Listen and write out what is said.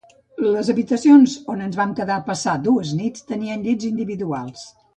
Les habitacions on ens vam quedar a passar dues nits tenien llits individuals.